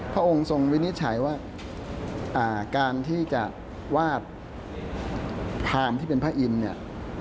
พระองค์ทรงวินิจฉัยว่าการที่จะวาดพรามที่เป็นพระอินทร์เนี่ย